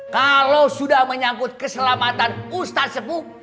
kalau sudah menyangkut keselamatan ustaz sepuh